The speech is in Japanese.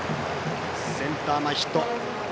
センター前ヒット。